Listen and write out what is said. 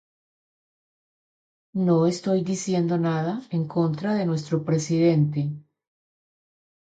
No estoy diciendo nada en contra de nuestro presidente.